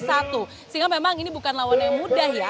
sehingga memang ini bukan lawan yang mudah ya